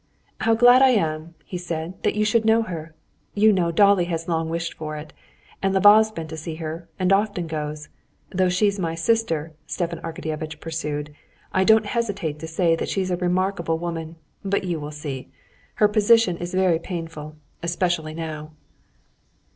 "How glad I am," he said, "that you should know her! You know Dolly has long wished for it. And Lvov's been to see her, and often goes. Though she is my sister," Stepan Arkadyevitch pursued, "I don't hesitate to say that she's a remarkable woman. But you will see. Her position is very painful, especially now."